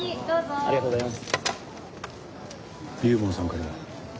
ありがとうございます。